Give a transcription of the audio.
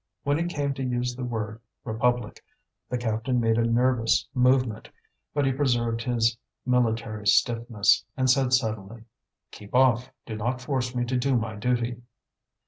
When he came to use the world "republic" the captain made a nervous movement; but he preserved his military stiffness, and said suddenly: "Keep off! Do not force me to do my duty."